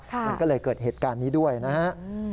มันก็เลยเกิดเหตุการณ์นี้ด้วยนะฮะ